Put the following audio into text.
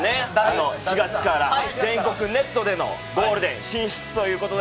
４月から全国ネットでのゴールデン進出ということで